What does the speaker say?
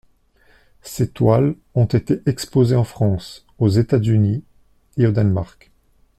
Ses toiles ont été exposées en France, aux États-Unis et au Danemark.